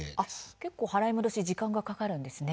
結構、払い戻し時間がかかるんですね。